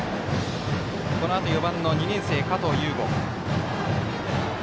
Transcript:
このあと４番の２年生、加藤右悟。